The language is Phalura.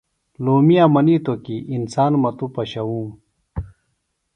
لومئیہ منیتوۡ ہنوۡ کیۡ انسان مہ توۡ پشوُوم